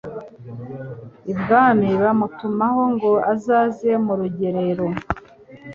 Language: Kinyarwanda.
ibwami bamutumaho ngo azaze mu rugerero